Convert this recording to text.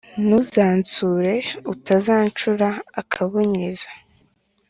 Ntuzansure utazancura akabunyiriza